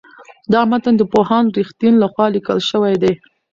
دا متن د پوهاند رښتین لخوا لیکل شوی دی.